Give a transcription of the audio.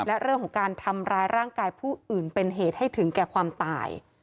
และเรื่องของการทำร้ายร่างกายผู้อื่นเป็นเหตุให้ถึงแก่ความตาย